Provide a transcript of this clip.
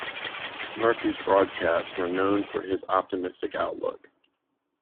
Murphy's broadcasts were known for his optimistic outlook.